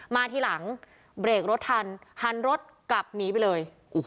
ทีหลังเบรกรถทันหันรถกลับหนีไปเลย